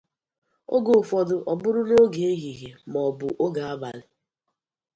oge ụfọdụ ọ bụrụ n’oge ehihie ma ọ bụ oge abanị.